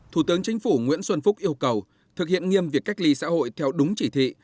thủ tướng chính phủ nguyễn xuân phúc yêu cầu thực hiện nghiêm việc cách ly xã hội theo đúng chỉ thị